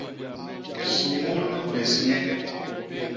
Suñul bés nye.